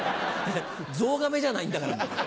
ゾウガメじゃないんだからもう。